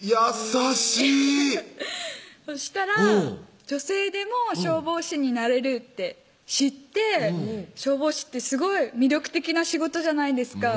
そしたら女性でも消防士になれるって知って消防士ってすごい魅力的な仕事じゃないですか